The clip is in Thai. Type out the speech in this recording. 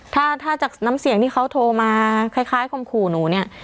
ถ้าถ้าจากน้ำเสียงที่เขาโทรมาคล้ายคมขู่หนูเนี่ย